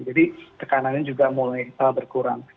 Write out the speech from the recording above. jadi tekanannya juga mulai berkurang